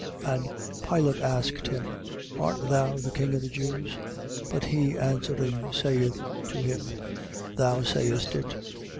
And Pilate asked him: Art thou the king of the Jews? But he answering, saith to him: Thou sayest it. 15:3.